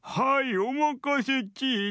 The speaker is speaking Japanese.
おまかせチーナ」。